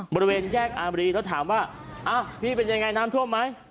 บริเวณแยกอาบรีแล้วถามว่าอ้าวพี่เป็นยังไงน้ำท่วมไหม